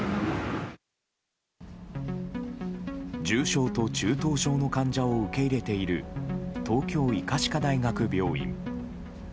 重症と中等症の患者を受け入れている東京医科歯科大学病院。